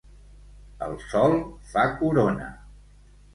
El sol fa corona.